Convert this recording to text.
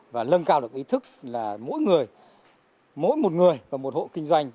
và lân cao được ý thức là mỗi người mỗi một người và một hộ kinh doanh